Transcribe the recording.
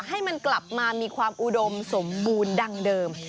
ให้มันกลับมามีความอุดมสมบูรณ์ดังเดิม